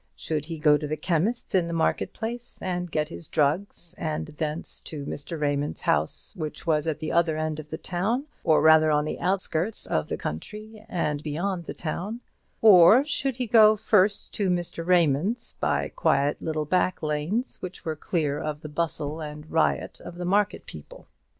Should he go to the chemist's in the market place and get his drugs, and thence to Mr. Raymond's house, which was at the other end of the town, or rather on the outskirts of the country and beyond the town; or should he go first to Mr. Raymond's by quiet back lanes, which were clear of the bustle and riot of the market people?